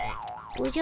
おじゃ？